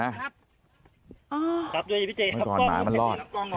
หลอนเมื่อไหร่มามันรอด